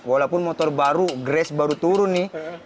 walaupun motor baru grace baru turun nih